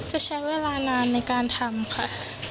จะใช้เวลานานในการทำค่ะ